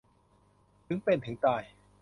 ถึงเป็นถึงตาย